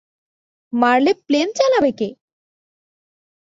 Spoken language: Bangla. মারলে প্লেন কে চালাবে?